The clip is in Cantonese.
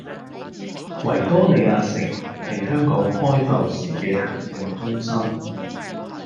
維多利亞城係香港開埠時嘅行政中心